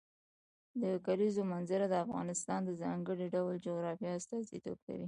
د کلیزو منظره د افغانستان د ځانګړي ډول جغرافیه استازیتوب کوي.